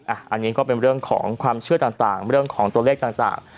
อันนี้ก็เป็นเรื่องของความเชื่อต่างเรื่องของตัวเลขต่าง